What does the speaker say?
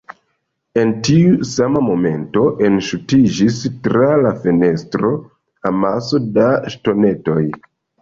En tiu sama momento, enŝutiĝis tra la fenestro,, amaso da ŝtonetoj.